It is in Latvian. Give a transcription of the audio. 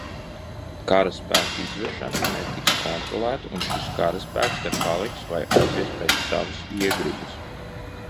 Karaspēka izvešana netiks kontrolēta un šis karaspēks te paliks vai aizies pēc savas iegribas.